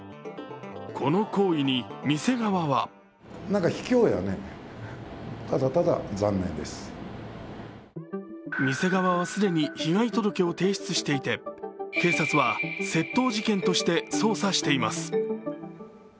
この行為に店側は店側は既に被害届を提出していて警察は窃盗事件として捜査しています。